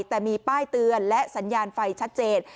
แต่มีป้ายเตือนและสัญญาณไฟชัดเจน